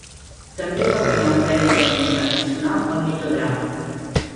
També va guanyar un premi Emmy Internacional al millor drama.